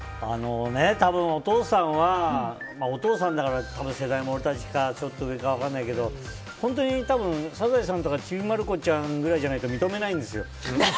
多分、お父さんはお父さんだから世代も俺たちと同じかちょっと上か分からないけど本当に「サザエさん」とか「ちびまる子ちゃん」くらいじゃないと認めないんですよ。